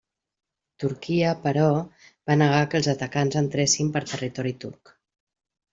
Turquia, però, va negar que els atacants entressin per territori turc.